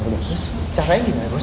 terus caranya gimana bos